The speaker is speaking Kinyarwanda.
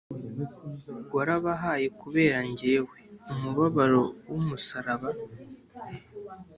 Warabahaye kubera jyewe, Umubabaro w'umusaraba